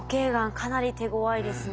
かなり手ごわいですね。